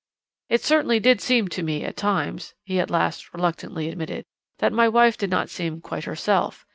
"'It certainly did seem to me at times,' he at last reluctantly admitted, 'that my wife did not seem quite herself.